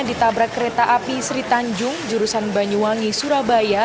ditabrak kereta api sri tanjung jurusan banyuwangi surabaya